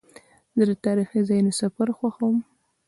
زه د تاریخي ځایونو سفر خوښوم.